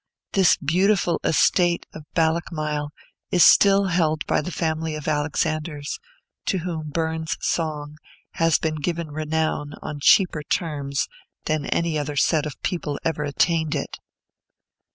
This beautiful estate of Ballochmyle is still held by the family of Alexanders, to whom Burns's song has given renown on cheaper terms than any other set of people ever attained it.